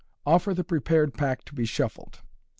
Offer the prepared pack to be shuffled.